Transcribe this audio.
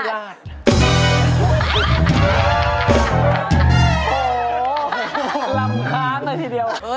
โหลำค้าหน่อยทีเดียว